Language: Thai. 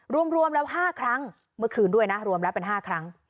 รวมแล้ว๕ครั้งเมื่อคืนด้วยนะรวมแล้วเป็น๕ครั้ง